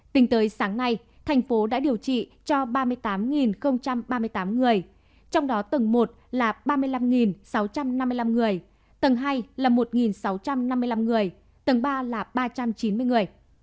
tính tới sáng nay thành phố đã điều trị cho ba mươi tám ba mươi tám người trong đó tầng một là ba mươi năm sáu trăm năm mươi năm người tầng hai là một sáu trăm năm mươi năm người tầng ba là ba trăm chín mươi người